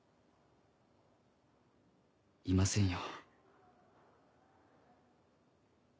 いませんよ。